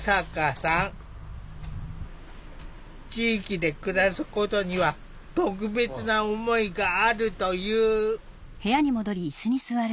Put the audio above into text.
地域で暮らすことには特別な思いがあるという。